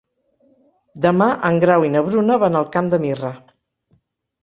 Demà en Grau i na Bruna van al Camp de Mirra.